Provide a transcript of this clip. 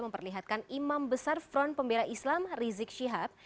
memperlihatkan imam besar front pembeli islam rizik shihab